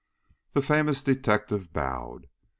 The famous detective bowed.